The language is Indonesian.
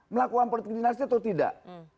melakukan politik dinasti atau tidak